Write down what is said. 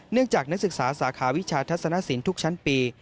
เนื่องจากนักศึกษาสาขาวิชาทัศนสินทุกชั้นปี